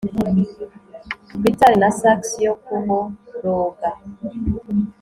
Guitari na sax yo kuboroga